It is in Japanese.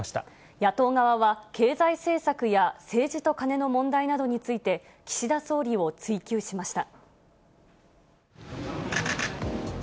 野党側は、経済政策や政治とカネの問題などについて、岸田総理を追及しました。